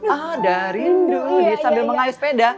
ada rindu sambil mengayuh sepeda